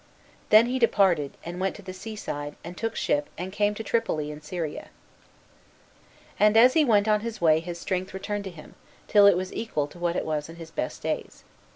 Then he departed, and went to the seaside, and took ship and came to Tripoli in Syria. And as he went on his way his strength returned to him, till it was equal to what it was in his best days.